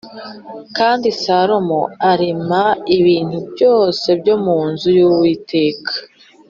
Kandi Salomo arema ibintu byose byo mu nzu y’Uwiteka